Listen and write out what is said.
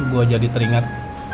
gue jadi teringat